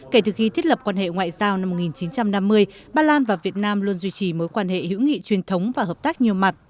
kể từ khi thiết lập quan hệ ngoại giao năm một nghìn chín trăm năm mươi bà lan và việt nam luôn duy trì mối quan hệ hữu nghị truyền thống và hợp tác nhiều mặt